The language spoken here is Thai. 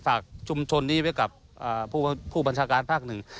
ชุมชนนี้ไว้กับผู้บัญชาการภาคหนึ่ง